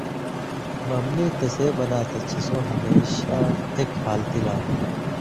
مبنی تسے بناں تھہ چے سو ہمیشہ اک حالتی لا ہو